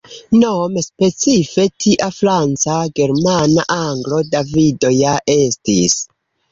Nome specife tia Franca Germana Anglo Davido ja estis.